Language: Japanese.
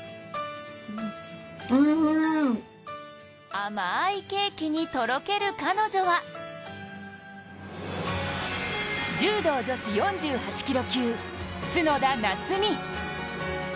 甘いケーキにとろける彼女は柔道女子４８キロ級、角田夏実。